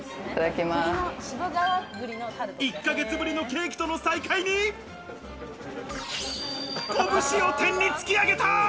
１ヶ月ぶりのケーキとの再会に拳を天に突き上げた！